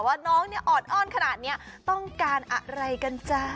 ว่าน้องอ่อนขนาดนี้ต้องการอะไรกันจ้า